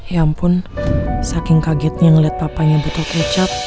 ya ampun saking kagetnya ngeliat papanya betul kecap